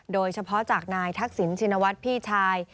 โดยเฉพาะจากนายทักษิณชินวัฒน์พี่ชาย